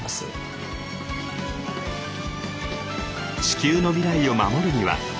地球の未来を守るには？